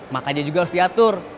makanya juga harus diatur